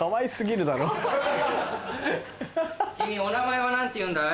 君お名前は何ていうんだい？